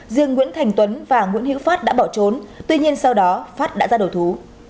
riêng nguyễn thành tuấn và nguyễn hữu phát đã bỏ trốn tuy nhiên sau đó phát đã ra đầu thú